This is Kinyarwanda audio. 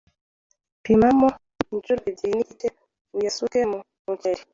Pimamo inshuro ebyiri n’igice uyasuke mu muceri.